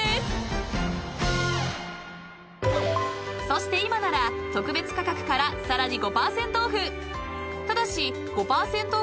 ［そして今なら特別価格からさらに］